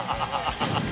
ハハハ